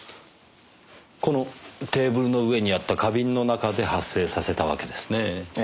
このテーブルの上にあった花瓶の中で発生させたわけですねえ。